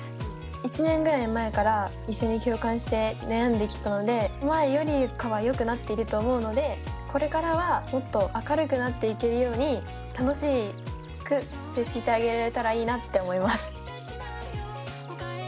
１年ぐらい前から一緒に共感して悩んできたので前よりかはよくなっていると思うのでこれからはもっと明るくなっていけるように楽しく接してあげられたらいいなって思います。